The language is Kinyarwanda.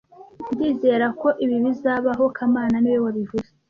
Ndizera ko ibi bizabaho kamana niwe wabivuze